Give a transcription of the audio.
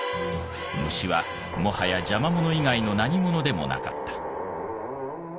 虫はもはや邪魔者以外の何者でもなかった。